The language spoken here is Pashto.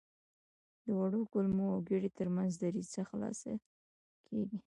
د وړو کولمو او ګیدې تر منځ دریڅه خلاصه کېږي.